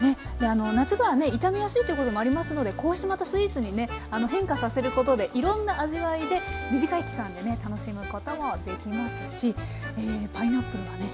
夏場はね傷みやすいということもありますのでこうしてまたスイーツにね変化させることでいろんな味わいで短い期間でね楽しむこともできますしパイナップルはね